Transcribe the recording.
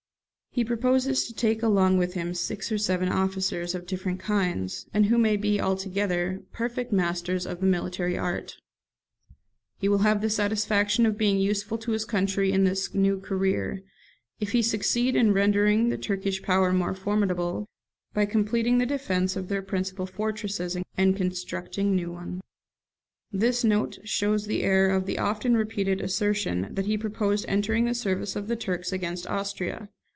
He proposes to take along with him six or seven officers, of different kinds, and who may be, altogether, perfect masters of the military art. He will have the satisfaction of being useful to his country in this new career, if he succeed in rendering the Turkish power more formidable, by completing the defence of their principal fortresses, and constructing new ones. This note shows the error of the often repeated assertion, that he proposed entering the service of the Turks against Austria.